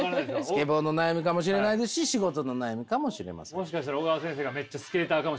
スケボーの悩みかもしれないですし仕事の悩みかもしれません。